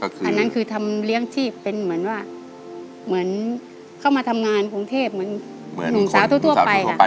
อันนั้นคือทำเลี้ยงที่เป็นเหมือนว่าเหมือนเข้ามาทำงานกรุงเทพเหมือนหนุ่มสาวทั่วไปค่ะ